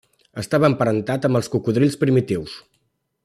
Estava emparentat amb els cocodrils primitius.